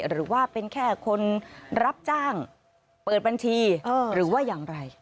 หรือว่าเป็นแค่คนรับจ้างเปิดบัญชีหรือว่าอย่างไร